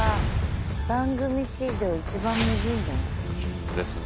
番組史上一番むずいんじゃない？ですね。